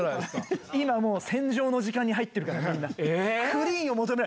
今もう、洗浄の時間に入ってるから、みんな。